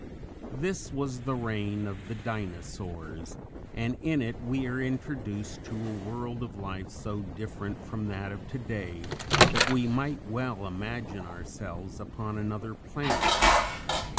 This was the reign of the Dinosaurs, and in it we are introduced to a world of life so different from that of today that we might well imagine ourselves upon another planet.